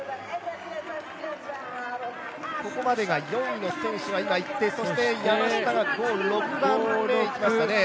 ここまでが４位の選手がいってそして山下が６番目にいきましたね。